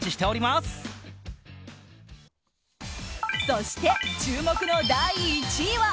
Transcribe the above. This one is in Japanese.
そして、注目の第１位は。